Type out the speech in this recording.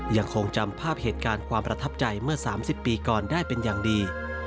ยังคงจำภาพเหตุการณ์ความประทับใจเมื่อ๓๐ปีก่อนได้เป็นอย่างดี